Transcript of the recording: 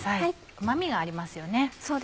うま味がありますよね。